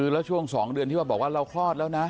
แล้วช่วง๒เดือนที่ว่าบอกว่าเราคลอดแล้วนะ